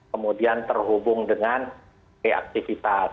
kemudian terhubung dengan reaktifitas